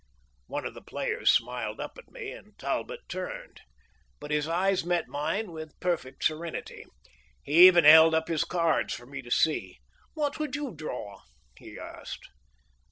One of the players smiled up at me, and Talbot turned. But his eyes met mine with perfect serenity. He even held up his cards for me to see. "What would you draw?" he asked.